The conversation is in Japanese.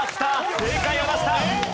正解を出した！